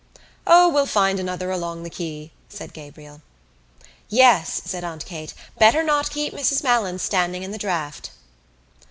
"O, we'll find another along the quay," said Gabriel. "Yes," said Aunt Kate. "Better not keep Mrs Malins standing in the draught."